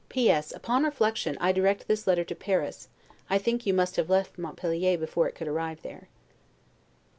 P. S. Upon reflection, I direct this letter to Paris; I think you must have left Montpelier before it could arrive there.